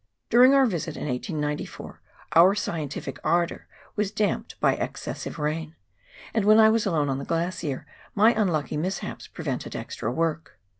During our visit in 1894 our scientific ardour was damped by excessive rain, and when I was alone on the glacier, my unlucky mishaps prevented extra work.